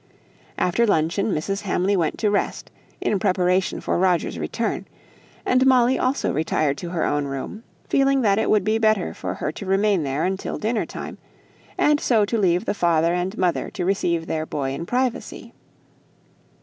After luncheon, Mrs. Hamley went to rest, in preparation for Roger's return; and Molly also retired to her own room, feeling that it would be better for her to remain there until dinner time, and so to leave the father and mother to receive their boy in privacy.